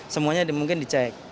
semuanya mungkin dicek